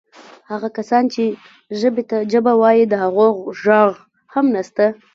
هغه کسان چې ژبې ته جبه وایي د هغو ږغ هم نسته.